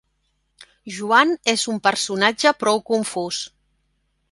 Joan és un personatge prou confús.